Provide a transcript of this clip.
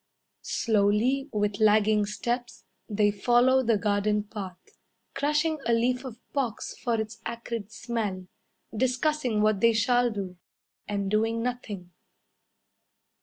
Slowly, with lagging steps, They follow the garden path, Crushing a leaf of box for its acrid smell, Discussing what they shall do, And doing nothing.